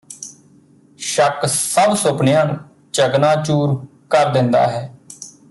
ਸ਼ੱਕ ਸਭ ਸੁਪਨਿਆਂ ਨੂੰ ਚਕਨਾਚੂਰ ਕਰ ਦਿੰਦਾ ਹੈ